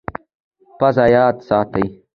پزه یاد ساتي.